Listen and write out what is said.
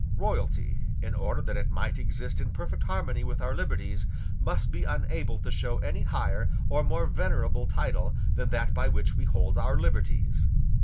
Royalty, in order that it might exist in perfect harmony with our liberties, must be unable to show any higher or more venerable title than that by which we hold our liberties.